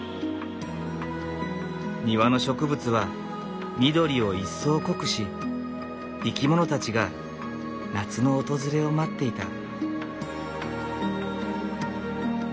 庭の植物は緑を一層濃くし生き物たちが夏の訪れを待っていた。